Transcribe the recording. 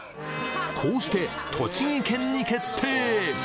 こうして栃木県に決定！